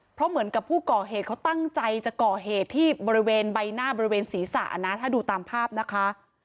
เพราะเหมือนกับผู้ก่อเหตุเขาตั้งใจจะก่อเหตุที่บริเวณใบหน้าบริเวณศีรษะนะถ้าดูตามภาพนะคะ